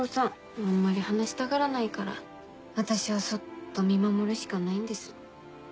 あんまり話したがらないから私はそっと見守るしかないんです。